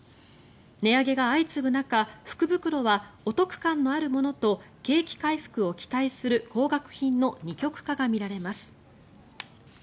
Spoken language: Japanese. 値上げが相次ぐ中福袋はお得感のあるものと景気回復を期待する高額品の二極化が見られます。